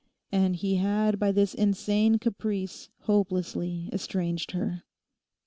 And he had by this insane caprice hopelessly estranged her.